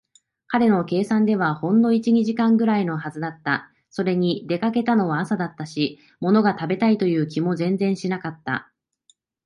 彼の計算ではほんの一、二時間ぐらいのはずだった。それに、出かけたのは朝だったし、ものが食べたいという気も全然しなかった。